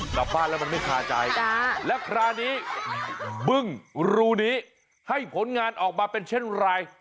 กลับบ้านแล้วมันไม่คาใจและคราวนี้บึ้งรูนี้ให้ผลงานออกมาเป็นเช่นไร